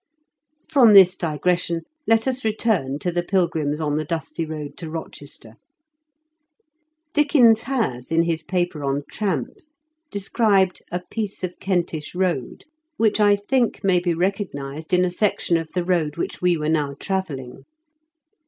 From this digression let us return to the pilgrims on the dusty road to Rochester. Dickens has, in his paper on tramps, described « "a piece of Kentish road," which I think may be recognised in a section of the road TEE TBAMP8' HALT. 33 which we were now travelling.